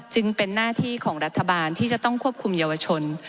จึงเป็นหน้าที่ของรัฐบาลที่จะต้องควบคุมเยาวชน